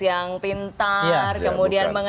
yang pintar kemudian